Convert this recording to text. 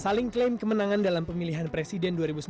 saling klaim kemenangan dalam pemilihan presiden dua ribu sembilan belas